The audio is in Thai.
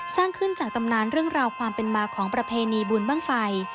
สร้างขึ้นจากตำนานเรื่องราวความเป็นมาของประเพณีบุญบ้างไฟ